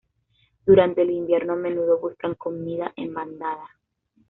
Durante el invierno, a menudo buscan comida en bandada.